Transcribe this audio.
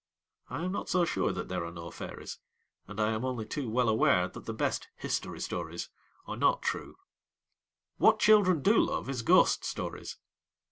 I am not so sure that there are no fairies, and I am only too well aware that the best 'history stories' are not true. What children do love is ghost stories.